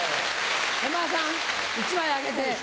山田さん１枚あげて。